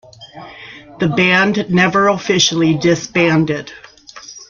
The band never officially disbanded.